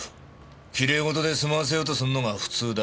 きれい事で済ませようとするのが普通だ。